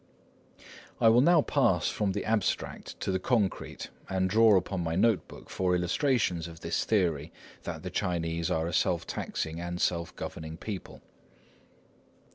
I will now pass from the abstract to the concrete, and draw upon my note book for illustrations of this theory that the Chinese are a self taxing and self governing people.